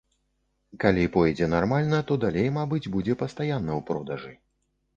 Калі пойдзе нармальна, то далей, мабыць, будзе пастаянна ў продажы.